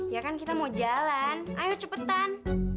ya kan kita mau jalan ayo cepetan